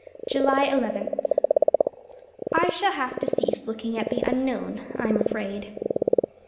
July Eleventh. I shall have to cease looking at the Unknown, I am afraid.